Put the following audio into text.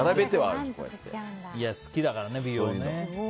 好きだからね、美容ね。